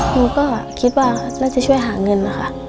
หนูก็คิดว่าน่าจะช่วยหาเงินนะคะ